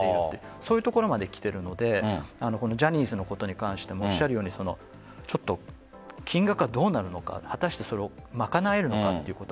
そういうところまできているのでジャニーズのことに対しても慰謝料の金額がどうなるのか果たして、それをまかなえるのかということ。